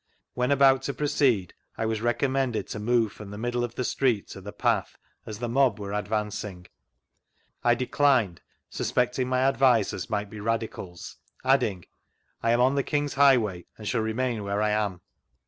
When about to jwoceed, 1 was recommended to move from the middle of the street to the path, as the mob were advancing. I declined, suspecting my advisers might be radicals, adding :" I am on the King's highway, and shall remain where I am."